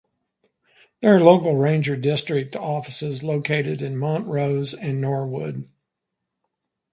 There are local ranger district offices located in Montrose and Norwood.